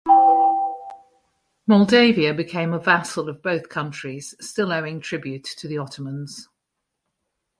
Moldavia became a vassal of both countries, still owing tribute to the Ottomans.